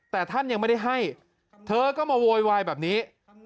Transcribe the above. แต่ท่านยังไม่ได้ให้เธอก็มาโวยวายแบบนี้